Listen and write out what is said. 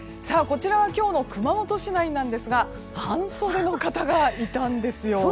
こちらは今日の熊本市内ですが半袖の方がいたんですよ。